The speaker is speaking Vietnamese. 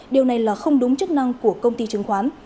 điều này là không đúng chức năng của công ty chứng khoán